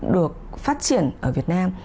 được phát triển ở việt nam